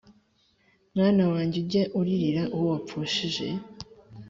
Mwana wanjye, ujye uririra uwo wapfushije,